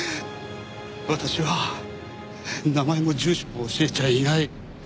私は名前も住所も教えちゃいない。